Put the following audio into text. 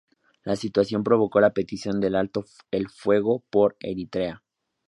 La situación provocó la petición del alto el fuego por Eritrea.